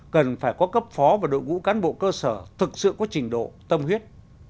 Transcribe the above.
cần phải có cấp phó và đội ngũ cán bộ cơ sở thực sự có trình độ tâm huyết